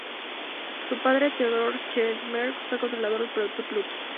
Su padre, Theodore Charles Merkle fue controlador del Proyecto Pluto.